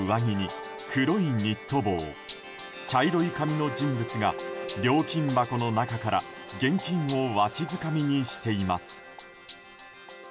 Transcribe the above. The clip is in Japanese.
クリーム色の上着に黒いニット帽茶色い髪の人物が料金箱の中から現金をわしづかみにしています。